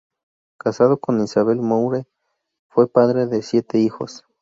Casado con Isabel Moore, fue padre de siete hijos.